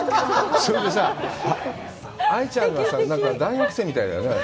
それでさ、愛ちゃんが、大学生みたいだよね。